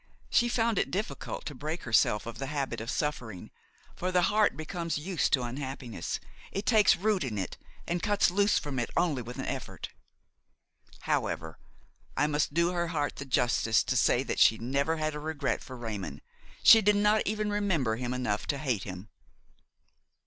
She found it difficult to break herself of the habit of suffering, for the heart becomes used to unhappiness, it takes root in it and cuts loose from it only with an effort. However, I must do her heart the justice to say that she never had a regret for Raymon; she did not even remember him enough to hate him.